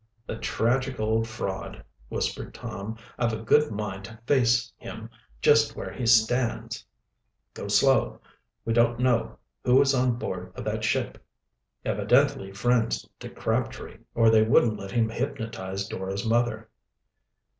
"The tragic old fraud!" whispered Tom. "I've a good mind to face him just where he stands." "Go slow! We dun't know who is on board of that ship." "Evidently friends to Crabtree, or they wouldn't let him hypnotize Dora's mother."